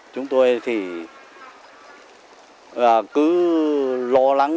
chúng tôi thì cứ lo lắng